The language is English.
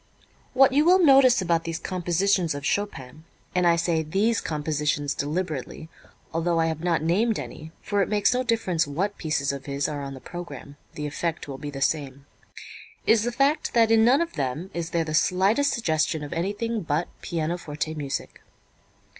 What you will notice about these compositions of Chopin and I say "these compositions" deliberately, although I have not named any (for it makes no difference what pieces of his are on the program, the effect will be the same) is the fact that in none of them is there the slightest suggestion of anything but pianoforte music.